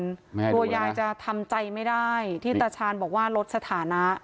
กลัวยายจะทำใจไม่ได้ที่ตาชาญบอกว่าลดสถานะ